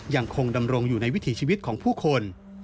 ยังคงดำรงอยู่ในวิถีชีวิตของผู้คน